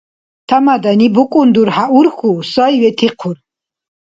Тамадани букӀун дурхӀя урхьу, сай ветихъур.